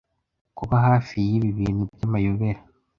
Kuba hafi yibi bintu byamayobera,